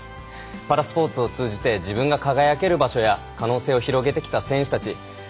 パラスポーツを通じて自分が輝ける場所や可能性を広げてきた選手たち。